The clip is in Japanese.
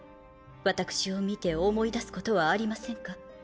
私を見て思い出すことはありませんか？